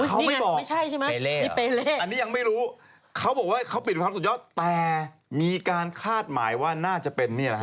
อันนี้ยังไม่รู้เขาบอกว่าเขาบีบินความรับจุดยอดแต่มีการคาดหมายว่าน่าจะเป็นนี่แล้วฮะ